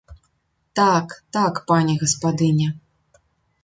Так, так, пані гаспадыня.